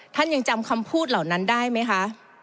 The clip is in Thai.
ท่านยังจำคำพูดเหล่านั้นได้ไหมคะ